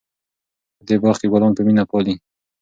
په دې باغ کې ګلان په مینه پالي.